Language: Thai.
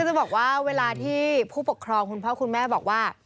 จะบอกว่าเวลาที่ผู้ปกครองคุณพ่อคุณแม่บอกว่า